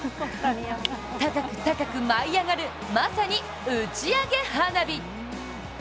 高く高く舞い上がる、まさに打ち上げ花火！